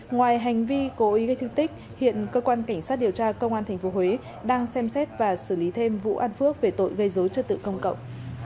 ngoài hành vi cố ý gây thương tích hiện cơ quan cảnh sát điều tra công an tp huế đang xem xét và xử lý thêm vũ an phước về tội gây dối trật tự công cộng